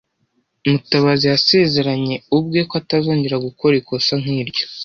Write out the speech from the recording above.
Mutabazi yasezeranye ubwe ko atazongera gukora ikosa nk'iryo.